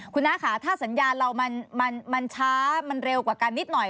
คุณน้าค่ะถ้าสัญญาณเรามันช้ามันเร็วกว่ากันนิดหน่อย